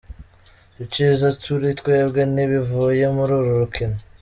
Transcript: "Iciza kuri twebwe n'ibivuye muri uru rukino.